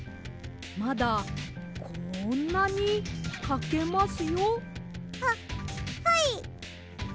まだこんなにかけますよ。ははい！